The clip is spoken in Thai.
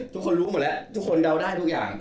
ทุกคนรู้หมดแล้วทุกคนเดาได้ทุกอย่าง